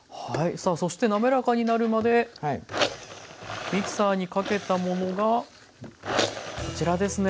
さあそして滑らかになるまでミキサーにかけたものがこちらですね。